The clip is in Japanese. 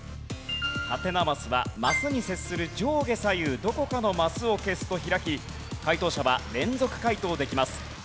ハテナマスはマスに接する上下左右どこかのマスを消すと開き解答者は連続解答できます。